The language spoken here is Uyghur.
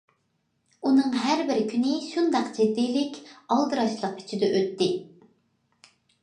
ئۇنىڭ ھەر بىر كۈنى شۇنداق جىددىيلىك، ئالدىراشلىق ئىچىدە ئۆتتى.